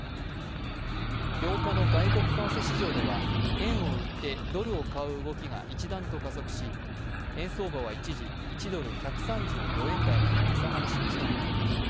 ８日の外国為替市場では円を売ってドルを買う動きが一段と加速し円相場は一時、１ドル＝１３４円台まで値下がりしました。